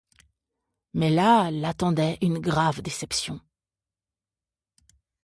Mais là l’attendait une grave déception.